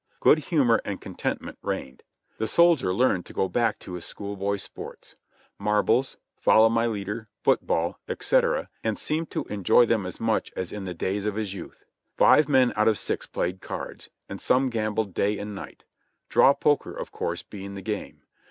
Good humor and contentment reigned. The soldier learned to go back to his school boy sports — marbles, "follow my leader," football, &c., and seemed to enjoy them as much as in the days of his youth. Five men out of six played cards, and some gambled day and night; draw poker of course being the game.